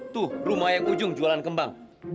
tuh rumah yang ujung jualan kembang